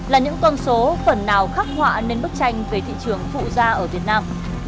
là những con số phần nào khắc họa nên bức tranh về thị trường phụ da ở việt nam